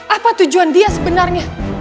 apa tujuan dia sebenarnya